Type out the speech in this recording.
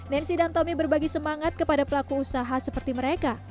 nancy dan tommy berbagi semangat kepada pelaku usaha seperti mereka